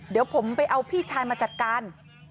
เดี๋ยวผมไปเอาพี่ชายมาจัดการ